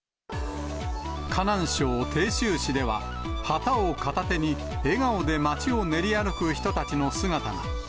河南省鄭州市では、旗を片手に、笑顔で街を練り歩く人たちの姿が。